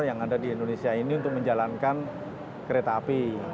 yang ada di indonesia ini untuk menjalankan kereta api